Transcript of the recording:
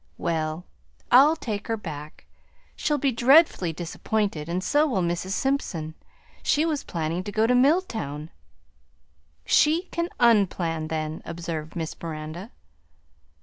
Well, I'll take her back. She'll be dreadfully disappointed and so will Mrs. Simpson. She was planning to go to Milltown." "She can un plan then," observed Miss Miranda.